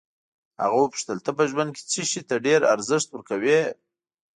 هغه وپوښتل ته په ژوند کې څه شي ته ډېر ارزښت ورکوې.